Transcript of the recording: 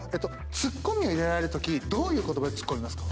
ツッコミを入れられるときどういう言葉でツッコみますか？